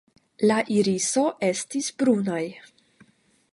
La iriso estis brunaj.